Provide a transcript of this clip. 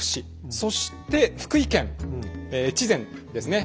そして福井県越前ですね